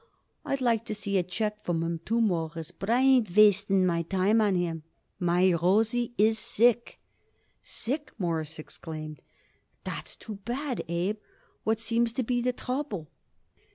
I'd like to see a check from him, too, Mawruss, but I ain't wasting no time on him. My Rosie is sick." "Sick!" Morris exclaimed. "That's too bad, Abe. What seems to be the trouble?"